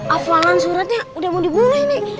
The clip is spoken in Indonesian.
apalan suratnya udah mau dibunuh nih